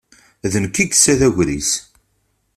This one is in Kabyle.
D nekk i yessa d agris.